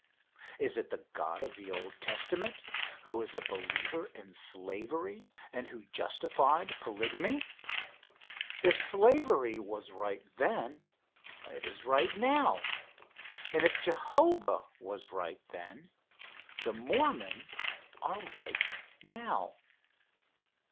Is it the God of the Old Testament, who was a believer in slavery and who justified polygamy? If slavery was right then, it is right now; and if Jehovah was right then, the Mormons are right now.